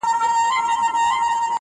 د چلم سر، د پلو پاى.